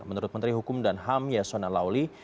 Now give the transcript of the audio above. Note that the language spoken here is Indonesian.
menurut menteri hukum dan ham yasona lawli